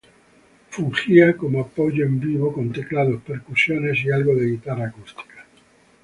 Él fungía como apoyo en vivo con teclados, percusiones y algo de guitarra acústica.